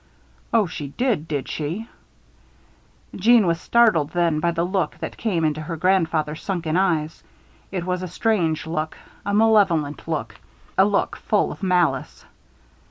"Oh, she did, did she?" Jeanne was startled then by the look that came into her grandfather's sunken eyes. It was a strange look; a malevolent look; a look full of malice.